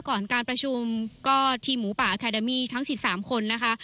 ก่อนการประชุมก็ทีมหมูป่าอาคาเดมี่ทั้ง๑๓คนนะคะ